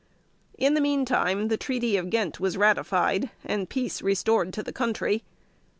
In the meantime the Treaty of Ghent was ratified, and peace restored to the country.